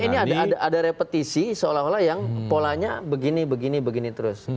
ini ada repetisi seolah olah yang polanya begini begini terus